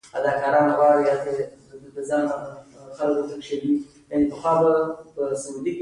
زه يې په کال يو زر و نهه سوه اووه پنځوس کې ورسولم.